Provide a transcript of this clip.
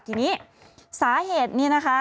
ทีนี้สาเหตุนี้นะคะ